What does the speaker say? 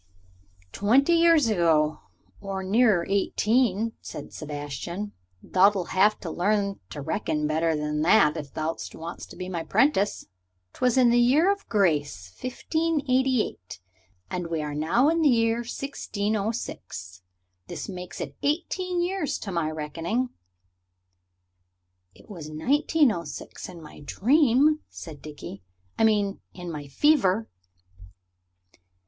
"Twenty years ago or nearer eighteen," said Sebastian; "thou'lt have to learn to reckon better than that if thou'st to be my 'prentice. 'Twas in the year of grace 1588, and we are now in the year 1606. This makes it eighteen years, to my reckoning." "It was 1906 in my dream," said Dickie "I mean in my fever."